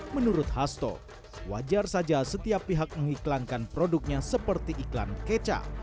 menurut hasto wajar saja setiap pihak mengiklankan produknya seperti iklan keca